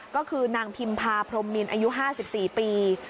ก็คือนางพิมพาพรมมินอายุ๕๔ปี